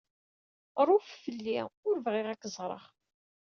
Ṛuf fell-i. Ur bɣiɣ ad k-ẓreɣ.